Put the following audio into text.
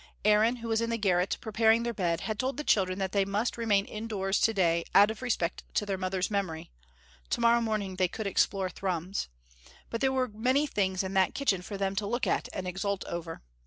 Aaron, who was in the garret preparing their bed, had told the children that they must remain indoors to day out of respect to their mother's memory (to morrow morning they could explore Thrums); but there were many things in that kitchen for them to look at and exult over.